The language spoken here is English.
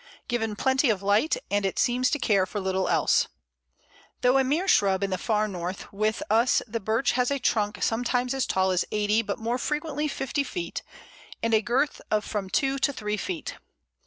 Given plenty of light, and it seems to care for little else. Though a mere shrub in the far north, with us the Birch has a trunk sometimes as tall as eighty, but more frequently fifty feet, and a girth of from two to three feet.